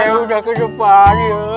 ini udah ke depan ya